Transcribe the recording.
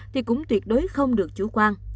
thì cũng tuyệt đối không được chú quan